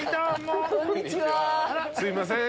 すいません。